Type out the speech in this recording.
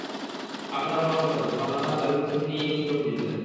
আপনার পরামর্শদাতা, জনাব নাসার, দাবি করেছেন তিনি এই বছর ট্রফি জিতবেন।